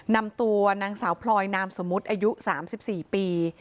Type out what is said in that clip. นำตัวนางสาวพลอยนามสมมุติอายุ๓๔ปี